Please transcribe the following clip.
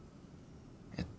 えっ？